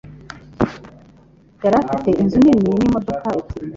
Yari afite inzu nini n'imodoka ebyiri.